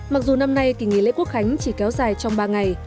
mặc dù năm nay kỳ nghỉ lễ quốc khánh chỉ kéo dài trong ba ngày